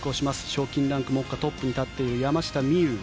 賞金ランク目下トップに立っている山下美夢有。